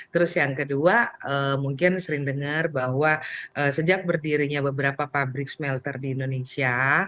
terus yang kedua mungkin sering dengar bahwa sejak berdirinya beberapa pabrik smelter di indonesia